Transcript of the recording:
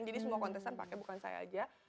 jadi semua kontestan pakai bukan saya aja